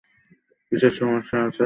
কীসের সমস্যা আছে?